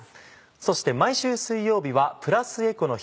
そして毎週水曜日はプラスエコの日。